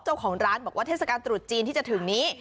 เจ้าของร้านสรุปที่จะถึงนี้